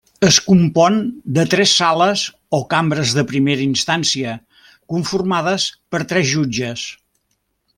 Es compon de tres sales o cambres de primera instància, conformades per tres jutges.